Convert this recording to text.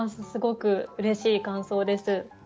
すごくうれしい感想です。